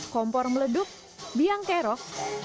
kompor meledup biang kerok